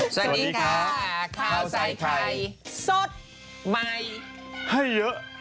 สวัสดีค่ะข้าวใส่ไข่สดใหม่ให้เยอะ